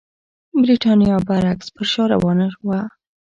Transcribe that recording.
برېټانیا برعکس پر شا روانه وه.